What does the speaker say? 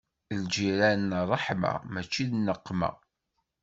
Lǧiran i ṛṛeḥma, mačči i nneqma.